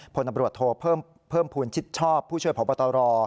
พปโทเพิ่มภูมิชิดชอบผู้ช่วยพปร